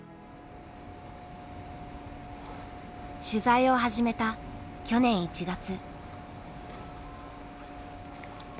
取材を始めた去年１月。